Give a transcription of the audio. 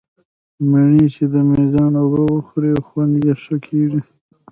مڼې چې د مېزان اوبه وخوري، خوند یې ښه کېږي.